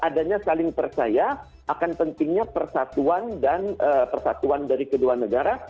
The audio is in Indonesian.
adanya saling percaya akan pentingnya persatuan dari kedua negara